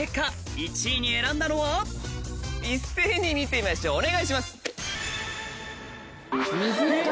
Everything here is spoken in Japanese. １位に選んだのは一斉に見てみましょうお願いします！